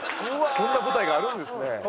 そんな舞台があるんですね。